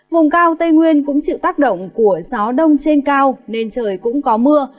vùng cao tây nguyên cũng chịu tác động của gió đông trên cao nên trời cũng có mưa